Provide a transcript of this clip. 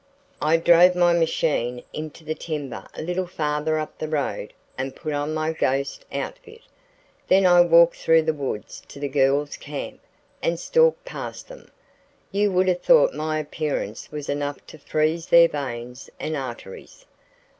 "I drove my machine into the timber a little farther up the road and put on my ghost outfit. Then I walked through the woods to the girls' camp and stalked past them. You would have thought my appearance was enough to freeze their veins and arteries.